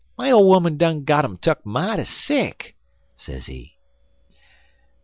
My ole 'oman done gone en tuck mighty sick,' sezee.